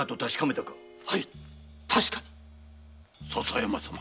はい確かに笹山様。